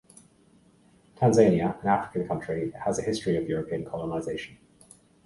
Tanzania, an African country, has a history of European colonization.